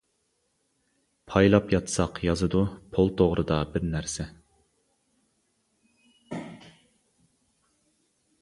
پايلاپ ياتساق يازىدۇ، پول توغرىدا بىر نەرسە.